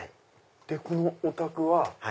このお宅は。